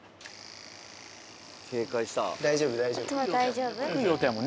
大丈夫、大丈夫。